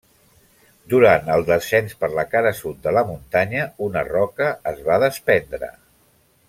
Durant el descens per la cara sud de la muntanya, una roca es va despendre.